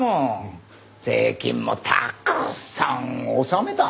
税金もたくさん納めた。